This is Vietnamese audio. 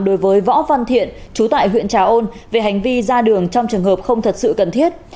đối với võ văn thiện chú tại huyện trà ôn về hành vi ra đường trong trường hợp không thật sự cần thiết